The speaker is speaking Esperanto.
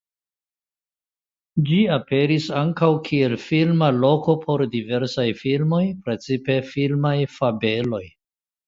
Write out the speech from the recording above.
Ĝi aperis ankaŭ kiel filma loko por diversaj filmoj (precipe filmaj fabeloj).